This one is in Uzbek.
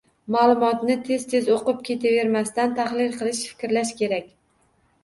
Ma’lumotni tez-tez o‘qib ketavermasdan, tahlil qilish, fikrlash kerak.